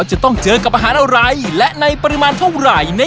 จึงหนูจะกินไม่เก่งด้วยหนูก็ต้องกิน